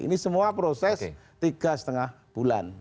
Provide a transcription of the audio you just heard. ini semua proses tiga lima bulan